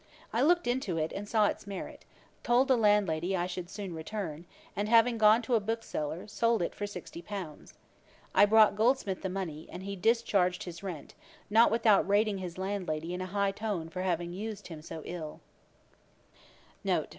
I looked into it, and saw its merit; told the landlady I should soon return, and having gone to a bookseller, sold it for sixty pounds. I brought Goldsmith the money, and he discharged his rent, not without rating his landlady in a high tone for having used him so ill.'